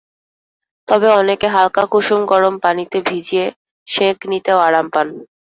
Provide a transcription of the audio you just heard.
তবে অনেকে হালকা কুসুম গরম পানিতে ভিজিয়ে সেঁক নিতেও আরাম পান।